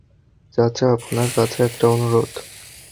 চাচা, আপনার কাছে একটা অনুরোধ।